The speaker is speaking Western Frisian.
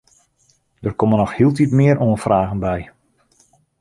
Der komme noch hieltyd mear oanfragen by.